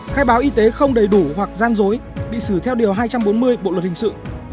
khai báo y tế không đầy đủ hoặc gian dối bị xử theo điều hai trăm bốn mươi bộ luật hình sự